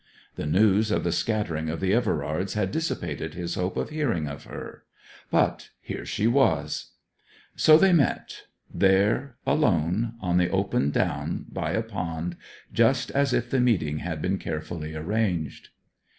The news of the scattering of the Everards had dissipated his hope of hearing of her; but here she was. So they met there, alone, on the open down by a pond, just as if the meeting had been carefully arranged.